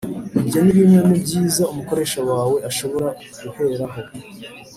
Ibyo ni bimwe mu byiza umukoresha wawe ashobora guheraho